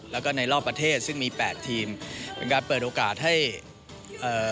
แล้วก็ในรอบประเทศซึ่งมีแปดทีมเป็นการเปิดโอกาสให้เอ่อ